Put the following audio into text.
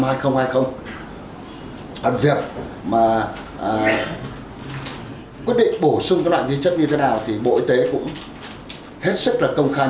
còn việc mà quyết định bổ sung các loại vi chất như thế nào thì bộ y tế cũng hết sức là công khai